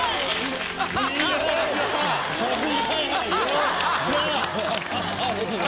よっしゃ。